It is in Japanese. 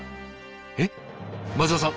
えっ松田さん